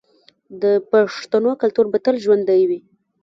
د پښتنو کلتور به تل ژوندی وي.